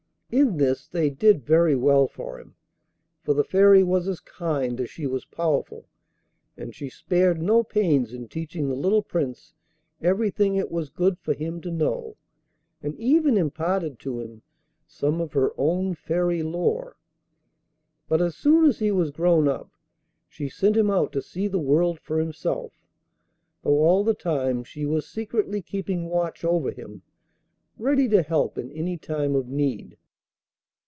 In this they did very well for him, for the Fairy was as kind as she was powerful, and she spared no pains in teaching the little Prince everything it was good for him to know, and even imparted to him some of her own Fairy lore. But as soon as he was grown up she sent him out to see the world for himself, though all the time she was secretly keeping watch over him, ready to help in any time of need.